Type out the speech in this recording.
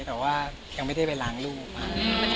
แต่ว่ายังไม่ได้ไปล้างลูกค่ะ